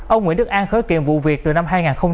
ông nguyễn đức an khởi kiệm vụ việc từ năm hai nghìn một mươi